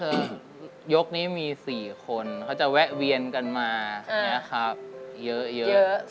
คือยกนี่มีสี่คนเขาจะแวะเวียนกันมานะครับเยอะ